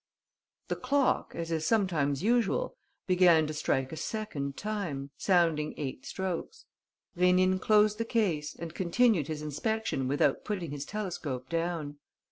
The clock, as is sometimes usual, began to strike a second time, sounding eight strokes. Rénine closed the case and continued his inspection without putting his telescope down.